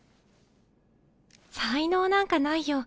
才能なんかないよ。